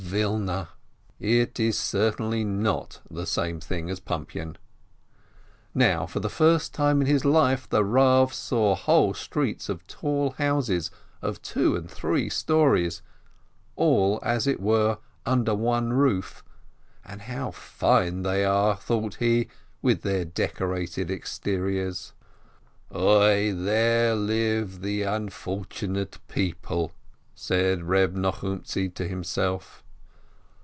Wilna! It is certainly not the same thing as Pum pian. Now, for the first time in his life, the Rav saw whole streets of tall houses, of two and three stories, all as it were under one roof, and how fine they are, thought he, with their decorated exteriors! "Oi, there live the unfortunate people!" said Reb Nochumtzi to himself.